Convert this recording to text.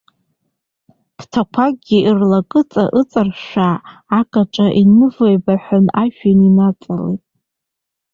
Ԥҭақәакгьы рлакыҵа ыҵыршәаа агаҿа инавеибаҳәан, ажәҩан инаҵалеит.